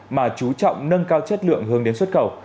mà chú trọng nâng cao chất lượng hướng đến xuất khẩu